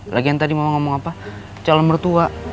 lagi yang tadi mau ngomong apa calon mertua